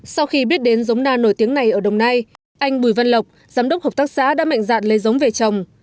sau khi biết đến giống na nổi tiếng này ở đồng nai anh bùi văn lộc giám đốc hợp tác xã đã mạnh dạn lấy giống về trồng